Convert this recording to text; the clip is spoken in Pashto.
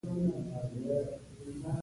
مچان د ماشومانو خوب خرابوي